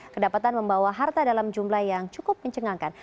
kedapatan membawa harta dalam jumlah yang cukup mencengangkan